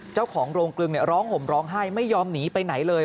เจ้าของโรงกลึงร้องห่มร้องไห้ไม่ยอมหนีไปไหนเลย